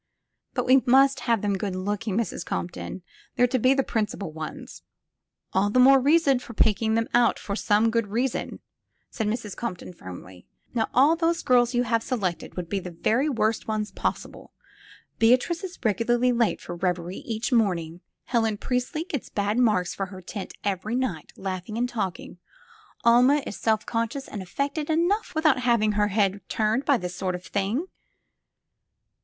(< But we must have them good looking, Mrs. Comp ton; they're to be the principal ones!" 191 SQUARE PEGGY *'A11 tfi(9 more reason for picking them out for some good reason,'' said Mrs. Compton firmly. "Now all those girls you have selected would be the very worst ones possible. Beatrice is regularly late for reveille each morning. Helen Priestley gets a bad mark for her tent every night, laughing and talking. Alma is self con scious and affected enough without having her head turned by this sort of thing."